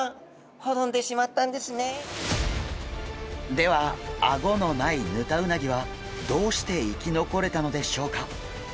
ではアゴのないヌタウナギはどうして生き残れたのでしょうか？